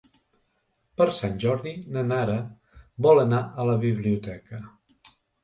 Per Sant Jordi na Nara vol anar a la biblioteca.